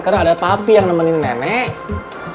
karena ada papi yang nemenin nenek